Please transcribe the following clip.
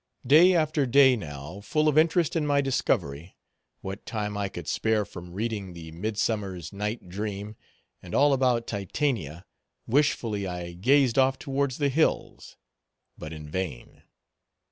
Day after day, now, full of interest in my discovery, what time I could spare from reading the Midsummer's Night Dream, and all about Titania, wishfully I gazed off towards the hills; but in vain.